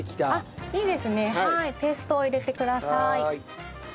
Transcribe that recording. はい。